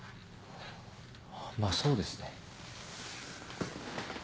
まあそうですね。